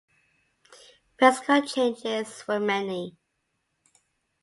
Physical changes were many.